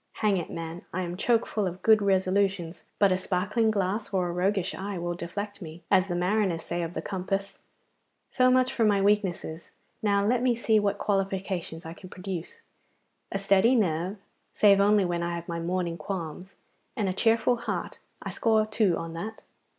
Hang it, man, I am choke full of good resolutions, but a sparkling glass or a roguish eye will deflect me, as the mariners say of the compass. So much for my weaknesses. Now let me see what qualifications I can produce. A steady nerve, save only when I have my morning qualms, and a cheerful heart; I score two on that.